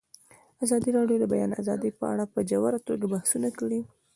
ازادي راډیو د د بیان آزادي په اړه په ژوره توګه بحثونه کړي.